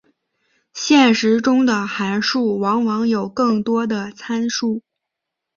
现实中的函数往往有更多的参数。